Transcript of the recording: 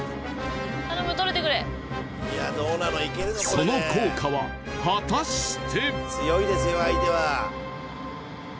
その効果は果たして？